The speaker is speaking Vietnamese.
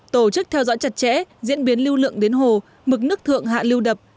tổ chức theo dõi chặt chẽ diễn biến lưu lượng đến hồ mực nước thượng hạ lưu đập